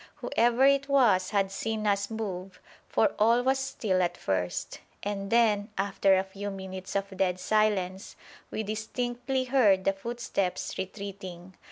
Whoever it was had seen us move, for all was still at first, and then, after a few minutes of dead silence, we distinctly heard the footsteps retreating.